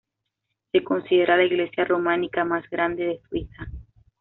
Se considera la iglesia románica más grande de Suiza.